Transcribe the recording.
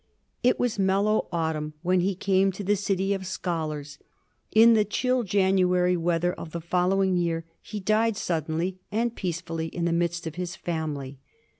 It was mellow autumn when he came to the City of Scholars. In the chill January weather of the following year he died suddenly and peace fully in the midst of his family.